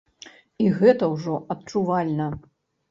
І гэта ўжо адчувальна.